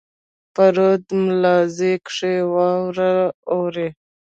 په رود ملازۍ کښي واوره اوري.